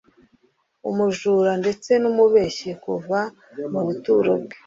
umujura ndetse n’umubeshyi kuva mu buto bwe